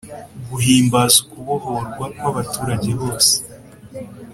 « guhimbaza ukubohorwa kw’abaturage bose